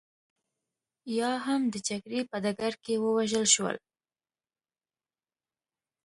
یا هم د جګړې په ډګر کې ووژل شول